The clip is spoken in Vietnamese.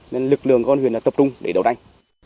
nên lực lượng con huyền tập trung để đấu đánh